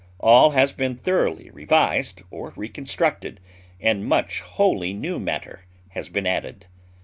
All has been thoroughly revised or reconstructed, and much wholly new matter has been added.